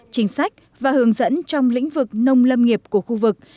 chính sách và hướng dẫn trong lĩnh vực nông lâm nghiệp của khu vực